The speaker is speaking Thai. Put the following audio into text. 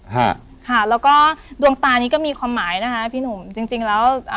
ค่ะค่ะแล้วก็ดวงตานี้ก็มีความหมายนะคะพี่หนุ่มจริงจริงแล้วอ่า